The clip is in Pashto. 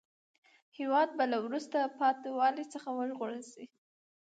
هیواد به له وروسته پاته والي څخه وژغورل سي.